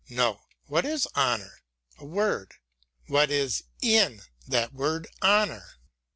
No. What is Honour f A word. What is in that word honour